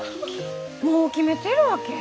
もう決めてるわけ？